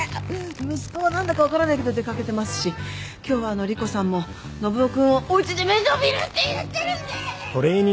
息子は何だか分からないけど出掛けてますし今日はあの莉湖さんも信男君をおうちで面倒見るって言ってるんで。